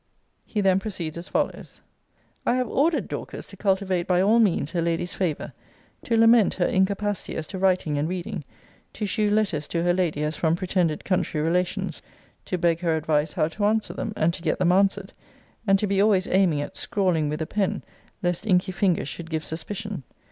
] He then proceeds as follows: I have ordered Dorcas to cultivate by all means her lady's favour; to lament her incapacity as to writing and reading; to shew letters to her lady, as from pretended country relations; to beg her advice how to answer them, and to get them answered; and to be always aiming at scrawling with a pen, lest inky fingers should give suspicion.